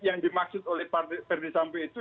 yang dimaksud oleh ferdisambu itu